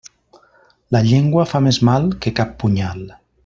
La llengua fa més mal que cap punyal.